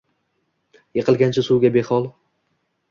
Yiqilgancha suvga behol